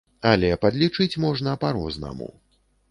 Але падлічыць можна па-рознаму.